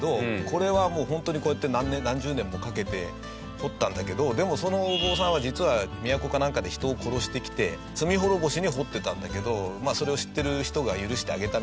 これはもうホントにこうやって何十年もかけて掘ったんだけどでもそのお坊さんは実は都かなんかで人を殺してきて罪滅ぼしに掘ってたんだけどまあそれを知ってる人が許してあげたみたいな。